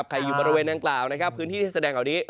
ใครอยู่บริเวณต่างพื้นที่ที่แสดงแบบนี้